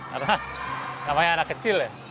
karena namanya anak kecil ya